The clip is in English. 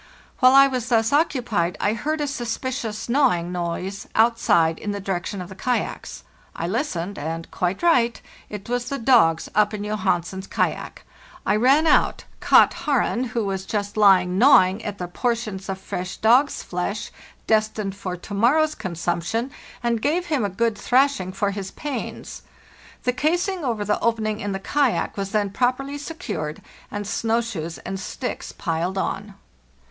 While I was thus occupied I heard a suspicious gnawing noise outside in the direc tion of the kayaks. I listened, and—quite right—it was the dogs up in Johansen's kayak. I ran out, caught 'Haren, who was just lying gnawing at the portions of fresh dogs' flesh destined for to morrow's consumption, A HARD STRUGGLE 205 and gave him a good thrashing for his pains. The casing over the opening in the kayak was then properly secured, and snow shoes and sticks piled on.